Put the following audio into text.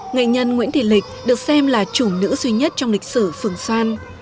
nghệ nhân nguyễn thị lịch được xem là chủ nữ duy nhất trong lịch sử phường xoan